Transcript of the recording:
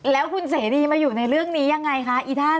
แล้วคุณเสรีมาอยู่ในเรื่องนี้ยังไงคะอีท่าน